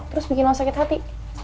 terus bikin lo sakit hati